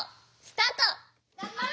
スタート！